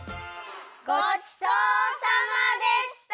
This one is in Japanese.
ごちそうさまでした！